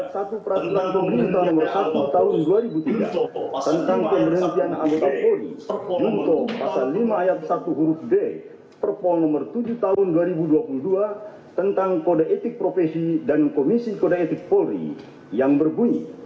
satu peraturan pemerintah nomor satu tahun dua ribu tiga tentang pemberhentian anggota polri untuk pasal lima ayat satu huruf d perpol nomor tujuh tahun dua ribu dua puluh dua tentang kode etik profesi dan komisi kode etik polri yang berbunyi